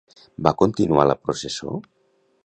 Va continuar la processó?